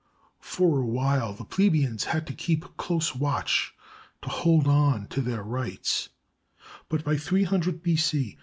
For a while the plebeians had to keep close watch to hold on to their rights, but by 300 B.C.